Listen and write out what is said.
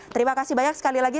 terima kasih banyak sekali lagi